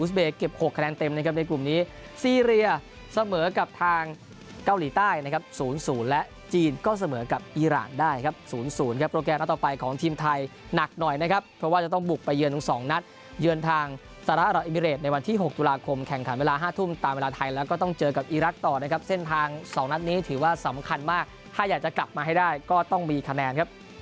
อูสเบคิสฐานศูนย์ต่อหนึ่งอูสเบคิสฐานศูนย์ต่อหนึ่งอูสเบคิสฐานศูนย์ต่อหนึ่งอูสเบคิสฐานศูนย์ต่อหนึ่งอูสเบคิสฐานศูนย์ต่อหนึ่งอูสเบคิสฐานศูนย์ต่อหนึ่งอูสเบคิสฐานศูนย์ต่อหนึ่งอูสเบคิสฐานศูนย์ต่อหนึ่งอูสเบคิสฐาน